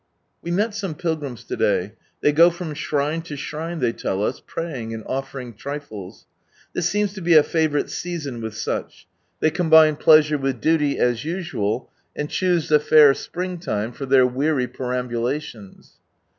We met some pilgrims to day. They go from shrine to shrine, they tell us, praying and offering trifles. This seems to be a favourite season with such. They combine pleasure with duty, as tisual ; and choose the fair spring lime for their weary perambulations.